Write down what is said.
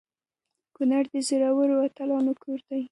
کنړ د زړورو اتلانو کور دی.